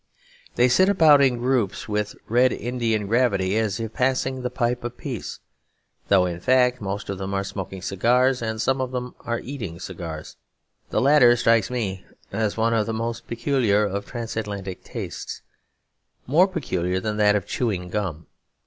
They sit about in groups with Red Indian gravity, as if passing the pipe of peace; though, in fact, most of them are smoking cigars and some of them are eating cigars. The latter strikes me as one of the most peculiar of transatlantic tastes, more peculiar than that of chewing gum.